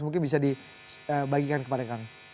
mungkin bisa dibagikan kepada kami